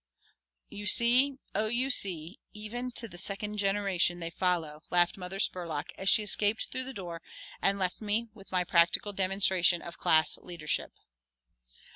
"You see, Oh, you see, even to the second generation they follow," laughed Mother Spurlock, as she escaped through the door and left me with my practical demonstration of class leadership.